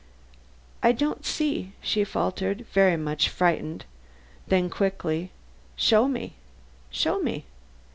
"I don't see," she faltered, very much frightened; then quickly: "Show me, show me."